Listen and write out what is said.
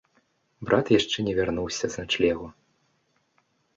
Брат яшчэ не вярнуўся з начлегу.